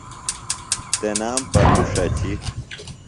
تنام پتوۡ ݜچیۡ